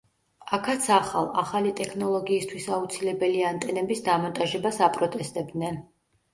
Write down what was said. აქაც ახალ, ახალი ტექნოლოგიისთვის აუცილებელი ანტენების დამონტაჟებას აპროტესტებდნენ.